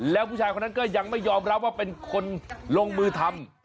แล้วผู้ชายคนนั้นก็ยังไม่ยอมรับว่าเป็นคนลงมือทำ